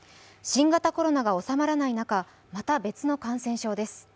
新型コロナが収まらない中、また別の感染症です。